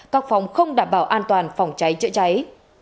các phòng không đảm bảo an toàn phòng cháy chữa cháy